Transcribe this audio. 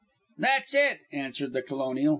"That's it," answered the colonial.